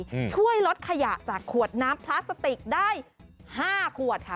ช่วยลดขยะจากขวดน้ำพลาสติกได้ห้าขวดค่ะ